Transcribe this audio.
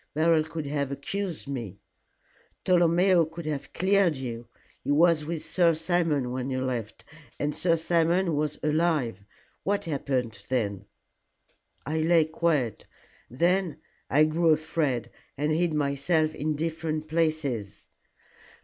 Beryl could have accused me." "Tolomeo could have cleared you. He was with Sir Simon when you left, and Sir Simon was alive. What happened then?" "I lay quiet. Then I grew afraid, and hid myself in different places.